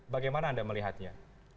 bagaimana anda melihatnya